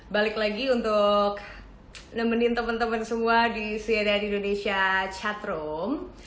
balik lagi untuk nemenin teman teman semua di cnn indonesia chatroom